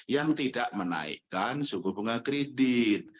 yang tidak menaikkan suku bunga kredit